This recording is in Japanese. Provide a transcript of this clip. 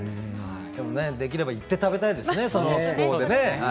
できれば行って食べたいですね。